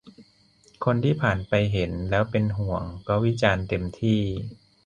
คนที่ผ่านไปเห็นแล้วเป็นห่วง ก็วิจารณ์เต็มที่